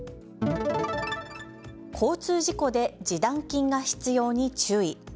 交通事故で示談金が必要に注意。